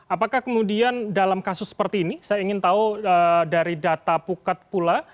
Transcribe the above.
apakah kemudian dalam kasus seperti ini saya ingin tahu dari data pukat pula